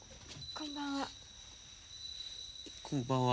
こんばんは。